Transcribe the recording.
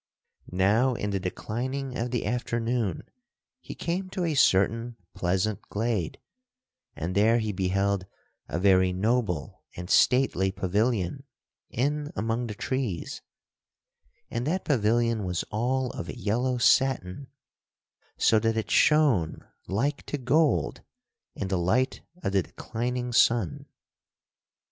Now in the declining of the afternoon, he came to a certain pleasant glade, and there he beheld a very noble and stately pavilion in among the trees, And that pavilion was all of yellow satin so that it shone like to gold in the light of the declining sun.